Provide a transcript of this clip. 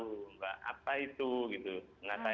justru beberapa orang itu kan tidak tahu